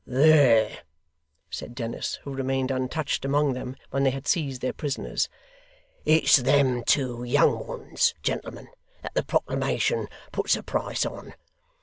'There!' said Dennis, who remained untouched among them when they had seized their prisoners; 'it's them two young ones, gentlemen, that the proclamation puts a price on.